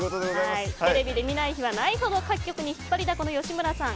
テレビで見ない日はないほど各局で引っ張りだこの吉村さん。